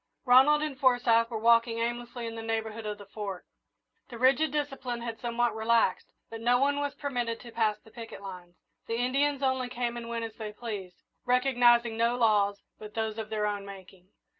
Ronald and Forsyth were walking aimlessly in the neighbourhood of the Fort. The rigid discipline had somewhat relaxed, but no one was permitted to pass the picket lines. The Indians only came and went as they pleased, recognising no laws but those of their own making.